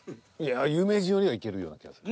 「有名人」よりはいけるような気がする。